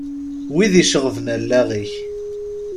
Wid iceɣben allaɣ-ik.